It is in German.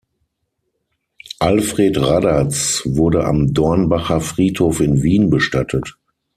Alfred Raddatz wurde am Dornbacher Friedhof in Wien bestattet.